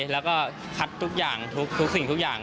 แล้วก็คัดทุกอย่างทุกสิ่งทุกอย่าง